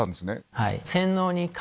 はい。